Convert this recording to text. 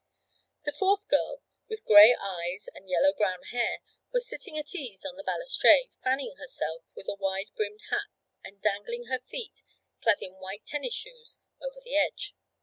The fourth girl, with grey eyes and yellow brown hair, was sitting at ease on the balustrade, fanning herself with a wide brimmed hat and dangling her feet, clad in white tennis shoes, over the edge.